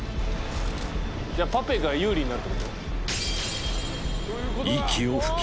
じゃあパペが有利になるってこと？